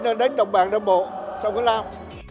nó đến đồng bàng đông bộ xong nó lao